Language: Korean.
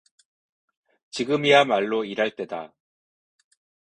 지금이야 말로 일 할 때다.